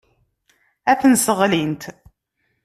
Ad ten-sseɣlint.